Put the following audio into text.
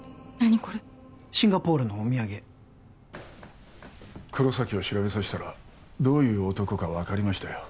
シンガポールのお土産黒崎を調べさせたらどういう男か分かりましたよ